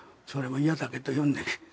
それも嫌だけど読んでね。